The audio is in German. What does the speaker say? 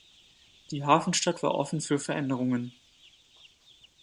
Die Hafenstadt war offen für Veränderungen.